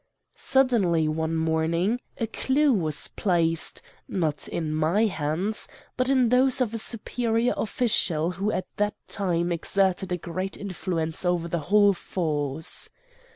"Suddenly one morning a clew was placed, not in my hands, but in those of a superior official who at that time exerted a great influence over the whole force.